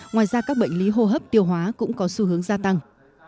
ngoài ra các bệnh lý hô hấp tiêu hóa cũng có xu hướng gia tăng